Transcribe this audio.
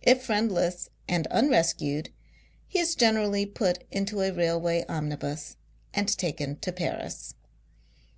If friendless and uurescued, he is generally put into a railway omnibus and taken to Paris.